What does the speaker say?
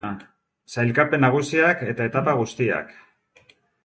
Sailkapen nagusiak eta etapa guztiak.